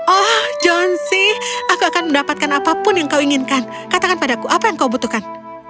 oh johnsy aku akan mendapatkan apapun yang kau inginkan katakan padaku apa yang kau butuhkan